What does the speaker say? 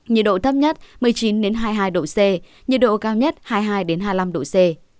nhiệt độ thấp nhất một mươi chín hai mươi hai độ c nhiệt độ cao nhất hai mươi hai hai mươi năm độ c